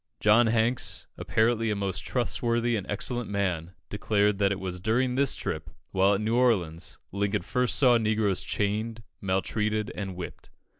John Hanks, apparently a most trustworthy and excellent man, declared that it was during this trip, while at New Orleans, Lincoln first saw negroes chained, maltreated, and whipped.